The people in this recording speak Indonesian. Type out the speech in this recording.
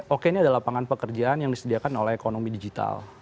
oke ini ada lapangan pekerjaan yang disediakan oleh ekonomi digital